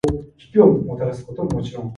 The mayor serves a two-year term in office.